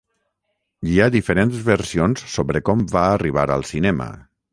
Hi ha diferents versions sobre com va arribar al cinema.